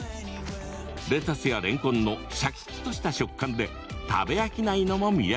レタスや、れんこんのシャキっとした食感で食べ飽きないのも魅力。